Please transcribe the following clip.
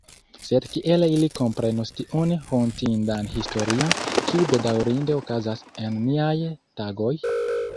Sed kiel ili komprenus tiun hontindan historion, kiu bedaŭrinde okazas en niaj tagoj?